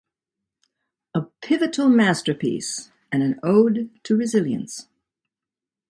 A pivotal masterpiece and an ode to resilience.